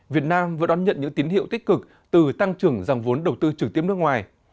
việt nam vừa đón nhận những tín hiệu tích cực từ tăng trưởng dòng vốn đầu tư trực tiếp nước ngoài